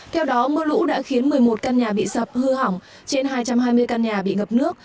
theo đó mưa lũ đã khiến một mươi một căn nhà bị sập hư hỏng trên hai trăm hai mươi căn nhà bị ngập nước